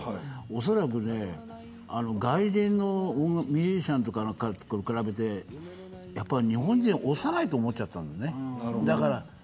おそらく外人のミュージシャンと比べて日本人は幼いと思っちゃったんだよね。